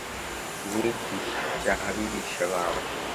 "Mwigisha cyaha abigishwa bawe."